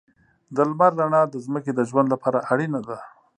د لمر رڼا د ځمکې د ژوند لپاره اړینه ده.